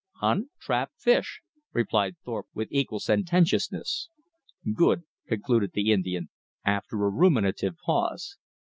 "Hunt; trap; fish," replied Thorpe with equal sententiousness. "Good," concluded the Indian, after a ruminative pause.